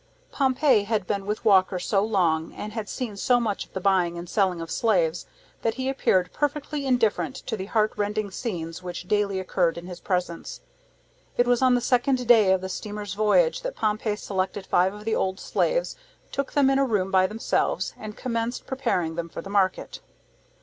Pompey had been with Walker so long, and had seen so much of the buying and selling of slaves, that he appeared perfectly indifferent to the heartrending scenes which daily occurred in his presence. It was on the second day of the steamer's voyage that Pompey selected five of the old slaves, took them in a room by themselves, and commenced preparing them for the market.